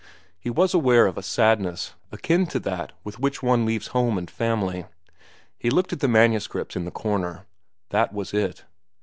He was aware of a sadness akin to that with which one leaves home and family. He looked at the manuscripts in the corner. That was it.